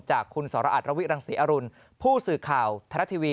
จากคุณสรอัตรวิรังศรีอรุณผู้สื่อข่าวทรัฐทีวี